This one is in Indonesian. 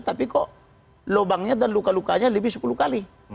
tapi kok lubangnya dan luka lukanya lebih sepuluh kali